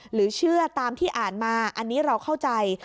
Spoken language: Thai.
หรือเชื่อตามที่อ่านมาอันนี้เราเข้าใจ